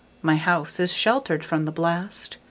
My house is sheltered from the blast.